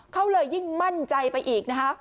เขาเลยยิ่งมั่นใจไปอีกนะคะ